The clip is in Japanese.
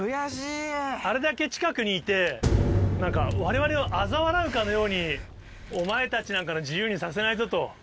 あれだけ近くにいて、なんか、われわれをあざ笑うかのように、お前たちなんかの自由にさせないぞと。